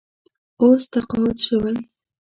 اوس تقاعد شوی.